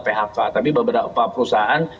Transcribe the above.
phk tapi beberapa perusahaan